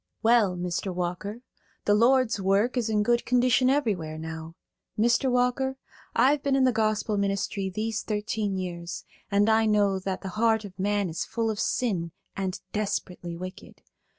"Well, Mr. Walker, the Lord's work is in good condition everywhere now. Mr. Walker, I've been in the gospel ministry these thirteen years, and I know that the heart of man is full of sin and desperately wicked.